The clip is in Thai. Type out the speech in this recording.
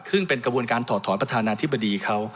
ซึ่งเป็นกระบวนการถอดถอนประธานาธิบดีเขา